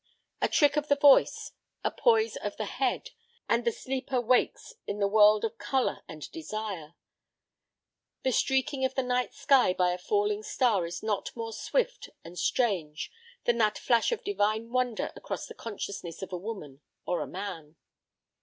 A trick of the voice, a poise of the head, and the sleeper wakes in the world of color and desire. The streaking of the night sky by a falling star is not more swift and strange than that flash of divine wonder across the consciousness of a woman or a man.